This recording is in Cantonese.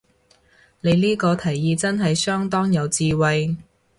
你呢個提議真係相當有智慧